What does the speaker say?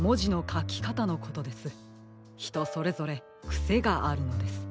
ひとそれぞれくせがあるのです。